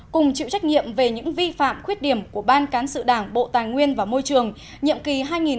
cùng chịu trách nhiệm về những vi phạm khuyết điểm của ban cán sự đảng bộ tài nguyên và môi trường nhậm kỳ hai nghìn một mươi một hai nghìn một mươi sáu